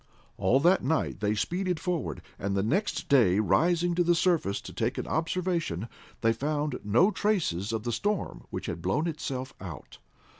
All that night they speeded forward, and the next day, rising to the surface to take an observation, they found no traces of the storm, which had blown itself out.